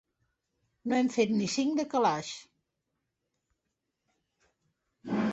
No hem fet ni cinc de calaix.